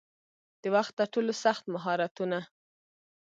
د وخت ترټولو سخت مهارتونه